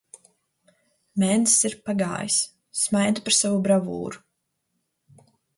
Mēnesis ir pagājis. Smaidu par savu bravūru.